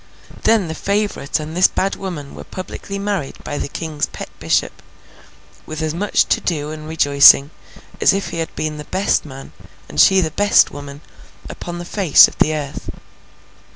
Then the favourite and this bad woman were publicly married by the King's pet bishop, with as much to do and rejoicing, as if he had been the best man, and she the best woman, upon the face of the earth.